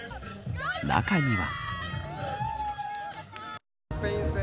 中には。